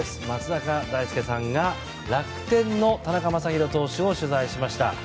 松坂大輔さんが楽天の田中将大投手を取材しました。